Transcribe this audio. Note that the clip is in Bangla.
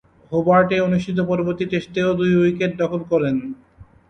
হোবার্টে অনুষ্ঠিত পরবর্তী টেস্টেও দুই উইকেট দখল করেন।